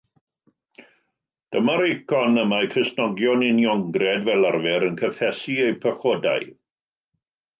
Dyma'r eicon y mae Cristnogion Uniongred fel arfer yn cyffesu eu pechodau.